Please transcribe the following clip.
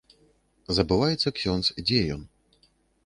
Забываецца ксёндз, дзе ён.